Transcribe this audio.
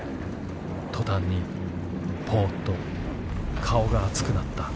途端にぽうと顔が熱くなった」。